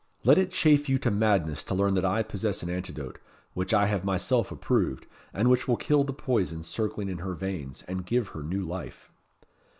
Let it chafe you to madness to learn that I possess an antidote, which I have myself approved, and which will kill the poison circling in her veins, and give her new life."